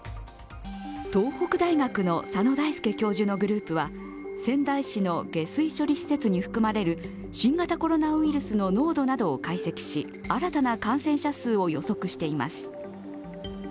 東北大学の佐野大輔教授のグループは仙台市の下水処理施設に含まれる新型コロナウイルスの濃度などを解析し、新たな感染者数を予測しています。